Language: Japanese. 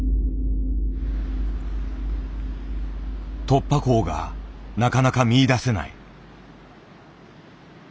突破口がなかなか見いだせない。